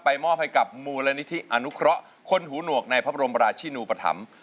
มอบให้กับมูลนิธิอนุเคราะห์คนหูหนวกในพระบรมราชินูปธรรม